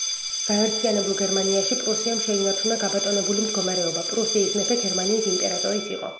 გაერთიანებულ გერმანიაში პრუსიამ შეინარჩუნა გაბატონებული მდგომარეობა, პრუსიის მეფე გერმანიის იმპერატორიც იყო.